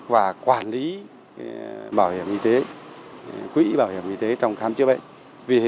và quản lý bảo hiểm y tế quỹ bảo hiểm y tế trong khám chữa bệnh